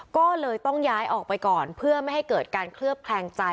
ก็เลยต้องย้ายออกไปก่อนเพื่อไม่ให้เกิดการเคลือบแคลงใจ